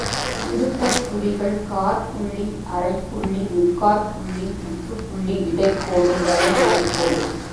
நிறுத்தற்குறிகள்: காற்புள்ளி, அரைப்புள்ளி, முக்காற்புள்ளி, முற்றுப்புள்ளி, இடைக்கோடு, வளைஇடைக்கோடு.